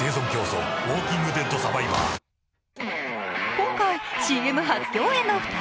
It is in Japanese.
今回、ＣＭ初共演の２人。